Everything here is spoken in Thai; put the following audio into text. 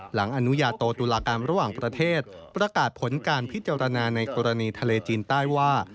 อนุญาโตตุลาการระหว่างประเทศประกาศผลการพิจารณาในกรณีทะเลจีนใต้ว่า